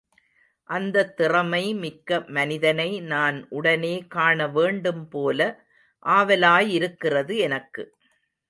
அந்தத் திறமை மிக்க மனிதனை நான் உடனே காணவேண்டும்போல ஆவலாயிருக்கிறது எனக்கு.